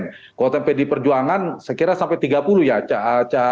kekuatan pdi perjuangan saya kira sampai tiga puluh ya